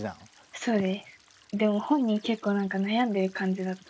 そうです。